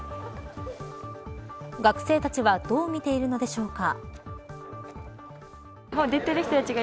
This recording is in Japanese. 学生たちはどう見ているのでしょうか。